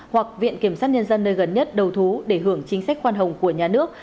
hoặc viện kiểm sát nhân dân nơi gần nhất đầu thú để hưởng chính sách khoan hồng của nhà nước